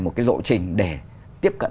một cái lộ trình để tiếp cận